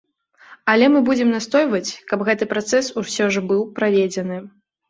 Але мы будзем настойваць, каб гэты працэс усё ж быў праведзены.